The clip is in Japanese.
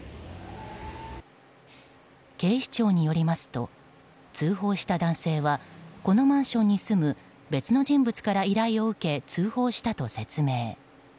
警視庁によりますと通報した男性はこのマンションに住む別の人物から依頼を受け通報したと説明。